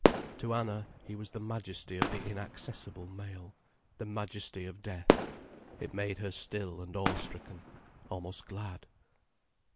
To Anna, he was the majesty of the inaccessible male, the majesty of death. It made her still and awe stricken, almost glad.